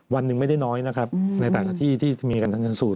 วันหนึ่งไม่ได้น้อยนะครับในแต่ต่างที่มีการชนสูตร